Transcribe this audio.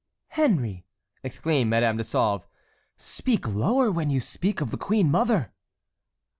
"Henry," exclaimed Madame de Sauve, "speak lower when you speak of the queen mother!"